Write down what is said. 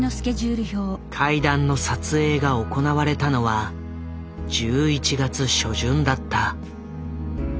階段の撮影が行われたのは１１月初旬だった。